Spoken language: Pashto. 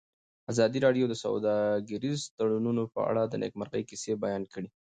ازادي راډیو د سوداګریز تړونونه په اړه د نېکمرغۍ کیسې بیان کړې.